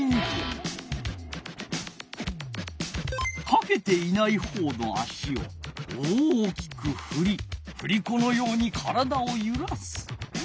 かけていないほうの足を大きくふりふりこのように体をゆらす。